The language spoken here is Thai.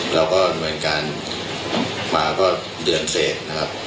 แล้วก็ดำเนินการมาก็เดือนเสร็จนะครับ